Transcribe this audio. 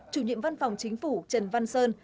chủ nhiệm văn phòng chính phủ trần văn sơn